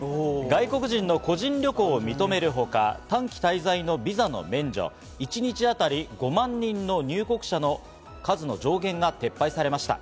外国人の個人旅行を認めるほか、短期滞在のビザの免除、一日当たり５万人の入国者の数の上限が撤廃されました。